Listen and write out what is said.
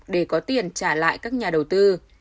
để có tiền trả lại các nhà đầu tư